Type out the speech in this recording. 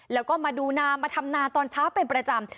แล้วก็มาดูนามาทำนาตอนเช้าเป็นประจำ